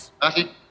amin terima kasih